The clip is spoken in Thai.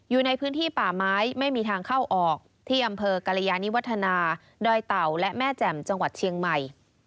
อยู่ในพื้นที่ป่าไม้ไม่มีทางเข้าออกที่อำเภอกรยานิวัฒนาดอยเต่าและแม่แจ่มจังหวัดเชียงใหม่